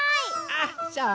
あっそう？